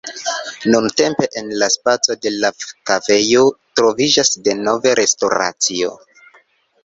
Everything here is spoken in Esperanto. Nuntempe en la spaco de la kafejo troviĝas denove restoracio.